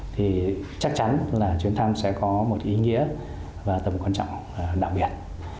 thì chắc chắn là chuyến thăm sẽ có một ý nghĩa và tầm quan trọng đặc biệt